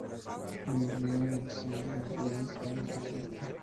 Vivió en el siglo X a.